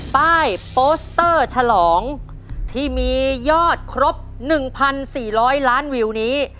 ป้ายโปสเตอร์ฉลองที่มียอดครบ๑๔๐๐ล้านวิวนี้